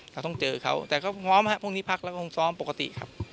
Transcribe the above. เราต้องเจอเขาแต่พร้อมพรุ่งนี้พักแล้วต้องซ้อมปกติครับ